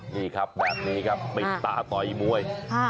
นี่ครับแบบนี้ครับปิดตาต่อยมวย